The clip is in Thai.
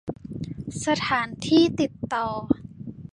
สถานที่ติดต่อ